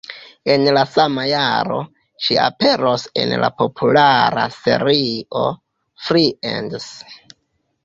En la sama jaro, ŝi aperos en la populara serio Friends.